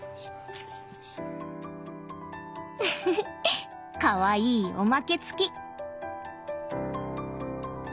ウッフフかわいいおまけ付き！